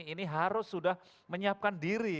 ini harus sudah menyiapkan diri